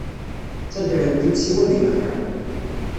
Ttaddren-t-id siwa di lxir.